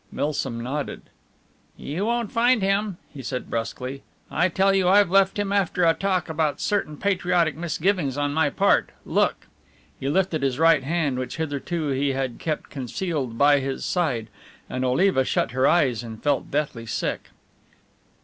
Milsom nodded. "You won't find him," he said brusquely. "I tell you I've left him after a talk about certain patriotic misgivings on my part look!" He lifted his right hand, which hitherto he had kept concealed by his side, and Oliva shut her eyes and felt deathly sick.